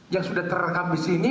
yang sudah terekam disini